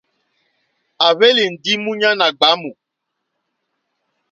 À hwélì ndí múɲánà ɡbwámù.